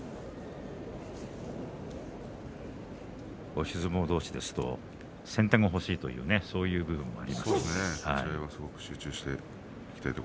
押し相撲同士ですと先手を欲しいという部分もありますね。